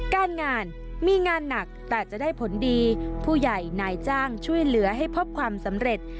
การงานมีงานหนักแต่จะได้ผลดีผู้ใหญ่นายจ้างช่วยเหลือให้พบความสำเร็จ